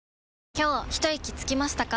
今日ひといきつきましたか？